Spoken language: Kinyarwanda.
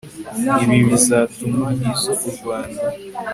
ibi bizatuma izo u rwanda